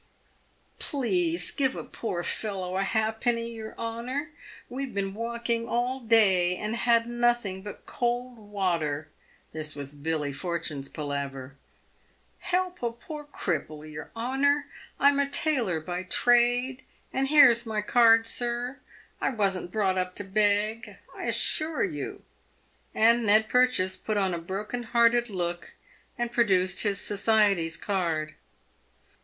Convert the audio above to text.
" Please, give a poor fellow a halfpenny, your honour. "We've been walking all day, and had nothing but cold water." This was Billy Fortune's palaver. " Help a poor cripple, your honour. I'm a tailor by trade, and PAVED WITH GOLD. 255 here's my card, sir ; I wasn't brought up to beg, I assure you." And Ned Purchase put on a broken hearted look, and produced his society's card.